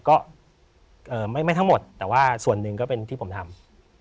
ก็ไม่ทั้งหมดแต่ว่าส่วนหนึ่งก็เป็นที่ผมทำ